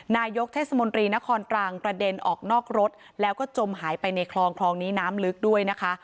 นายกเทศมนตรีนครตรังกระเด็นออกนอกรถแล้วก็จมหายไปในคลองคลองนี้น้ำลึกด้วยนะคะ